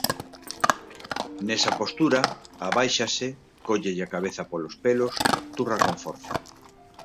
Nesa postura, abáixase, cóllelle a cabeza polos pelos, turra con forza.